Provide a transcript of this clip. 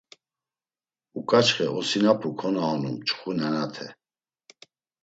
Uǩaçxe osinapu konaonu mçxu nenate.